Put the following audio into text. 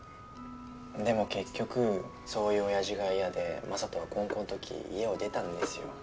でも結局そういう親父が嫌で雅人は高校の時家を出たんですよ。